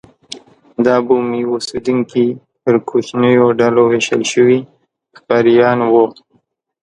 دا بومي اوسېدونکي پر کوچنیو ډلو وېشل شوي ښکاریان وو.